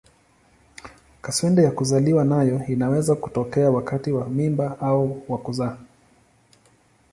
Kaswende ya kuzaliwa nayo inaweza kutokea wakati wa mimba au wa kuzaa.